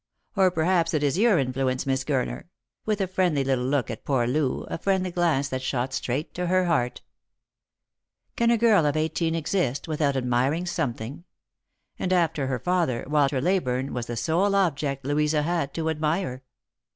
Or perhaps it is your influence, Miss Gurner," with a friendly little look at poor Loo, a friendly glance that shot straight to her heart. Can a girl of eighteen exist without admiring something ? and, after her father, Walter Leyburne was the sole object Louisa had to admire.